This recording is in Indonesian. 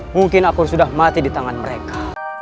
mungkin akur sudah mati di tangan mereka